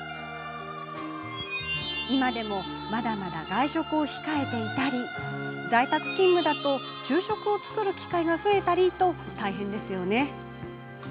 今でもまだまだ外食を控えていたり在宅勤務だと昼食を作る機会が増えたりと、大変ですよね。